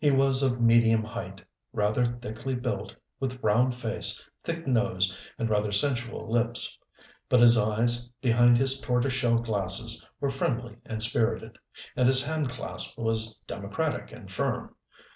He was of medium height, rather thickly built, with round face, thick nose, and rather sensual lips; but his eyes, behind his tortoise shell glasses, were friendly and spirited; and his hand clasp was democratic and firm.